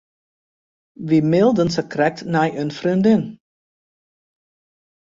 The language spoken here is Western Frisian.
Wy mailden sakrekt nei in freondin.